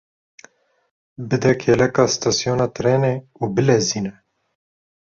Bide kêleka îstasyona trênê û bilezîne!